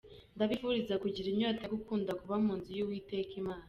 Ndabifuriza kugira inyota yo gukunda kuba mu nzu y’Uwiteka Imana.